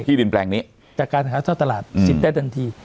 ที่ดินแปลงนี้